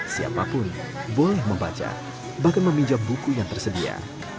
siapapun boleh membaca bahkan meminjam buku yang tersedia